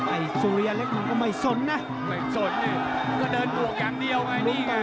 ไอ้สุริยเล็กมันก็ไม่สนนะไม่สนนี่มันก็เดินบวกอย่างเดียวไงนี่ไง